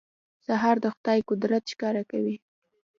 سهار د خدای قدرت ښکاره کوي.